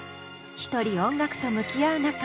一人音楽と向き合う中